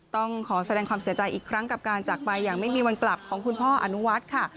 ต้องขอแสดงความเสียใจอีกครั้งกับการจากไปอย่างไม่มีวันกลับของคุณพ่ออนุวัฒน์ค่ะ